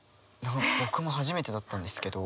僕も初めてだったんですけど。